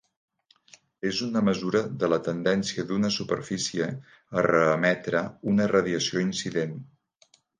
És una mesura de la tendència d'una superfície a reemetre una radiació incident.